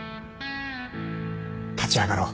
立ち上がろう。